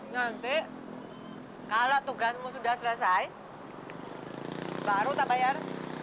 nanti kalau tugasmu sudah selesai baru saya bayar